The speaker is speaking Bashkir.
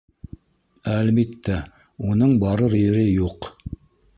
Әлбиттә, уның барыр ере юҡ.